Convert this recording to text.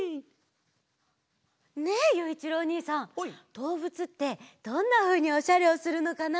どうぶつってどんなふうにおしゃれをするのかな？